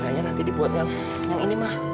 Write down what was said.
bacanya nanti dibuat yang ini ma